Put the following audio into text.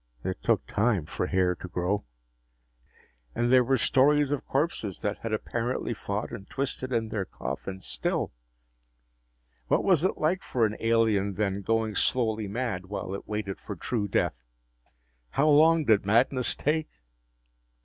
It took time for hair to grow. And there were stories of corpses that had apparently fought and twisted in their coffins still. What was it like for an alien then, going slowly mad while it waited for true death? How long did madness take?